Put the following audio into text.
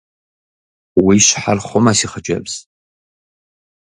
Уи щхьэр хъумэ, си хъыджэбз.